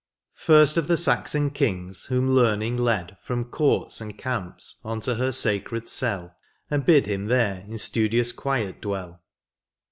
First of the Saxon kings whom learning led From courts and camps unto her sacred cell. And bid him there in studious quiet dwell.